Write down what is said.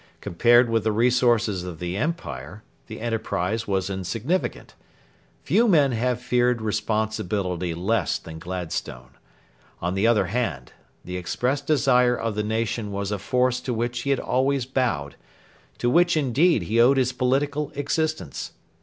Compared with the resources of the Empire, the enterprise was insignificant. Few men have feared responsibility less than Gladstone. On the other hand, the expressed desire of the nation was a force to which he had always bowed to which, indeed, he owed his political existence.